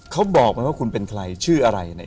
เขาบอกไหมว่าคุณเป็นใครชื่ออะไร